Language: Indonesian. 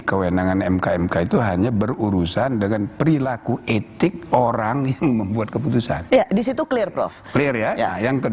kewenangan mk mk itu hanya berurusan dengan perilaku etik orang yang membuat keputusan disitu clear prof clear ya